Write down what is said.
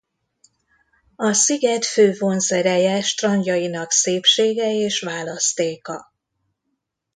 A sziget fő vonzereje strandjainak szépsége és választéka.